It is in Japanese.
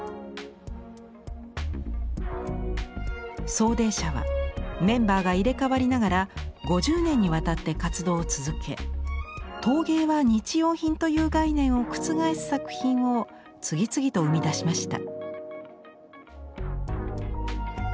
「走泥社」はメンバーが入れ代わりながら５０年にわたって活動を続け陶芸は日用品という概念を覆す作品を次々と生み出しました。